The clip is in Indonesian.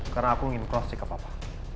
karena aku ingin cross check ke papa